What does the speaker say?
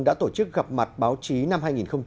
đã tổ chức gặp mặt báo chí năm hai nghìn hai mươi